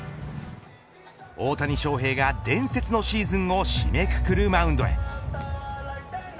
大谷翔平が伝説のシーズンを締めくくるマウンドへ。